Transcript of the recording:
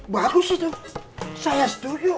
bagus itu saya setuju